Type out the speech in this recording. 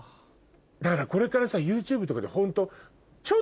だからこれからさＹｏｕＴｕｂｅとかでホント。